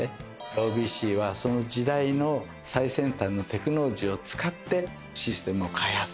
ＯＢＣはその時代の最先端のテクノロジーを使ってシステムを開発すると。